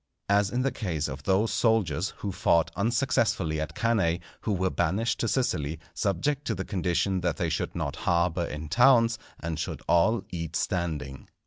As in the case of those soldiers who fought unsuccessfully at Cannæ, who were banished to Sicily, subject to the condition that they should not harbour in towns, and should all eat standing.